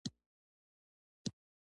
خولۍ د مکتب شاګردان هم اغوندي.